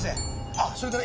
あっそれから